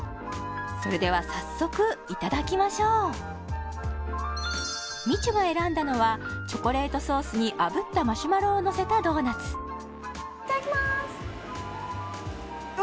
それでは早速いただきましょうみちゅが選んだのはチョコレートソースにあぶったマシュマロをのせたドーナツいただきますうお！